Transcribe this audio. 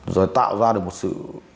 rồi tạo ra được một sự